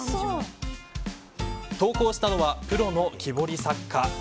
投稿したのはプロの木彫り作家。